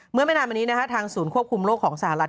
เมื่อไม่นานมานี้นะคะทางศูนย์ควบคุมโรคของสหรัฐ